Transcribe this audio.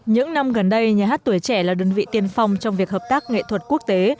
những năm gần đây nhà hát tuổi trẻ là đơn vị tiên phong trong việc hợp tác nghệ thuật quốc tế